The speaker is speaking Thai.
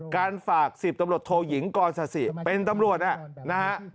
การฝาก๑๐ตำรวจโทยิงกรสสิเป็นตำรวจนะฮะ